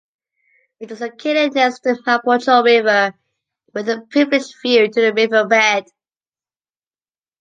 It is located next to Mapocho River with a privileged view to the riverbed.